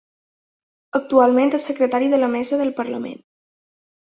Actualment és secretari de la mesa del parlament.